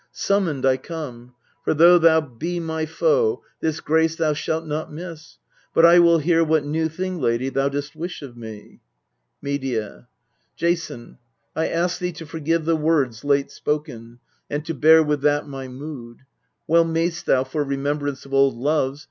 Summoned I come : for, though thou be my foe, This grace thou shalt not miss ; but I will hear What new thing, lady, thou dost wish of me. Medea. Jason, I ask thee to forgive the words Late spoken, and' to bear with that my mood : Well mayst thou, for remembrance of old loves.